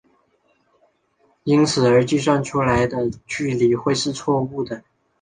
因此而计算出来的距离会是错武的。